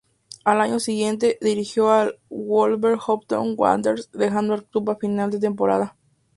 Al año siguiente, dirigió al Wolverhampton Wanderers, dejando el club a final de temporada.